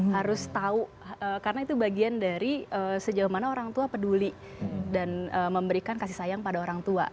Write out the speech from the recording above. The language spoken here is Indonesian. harus tahu karena itu bagian dari sejauh mana orang tua peduli dan memberikan kasih sayang pada orang tua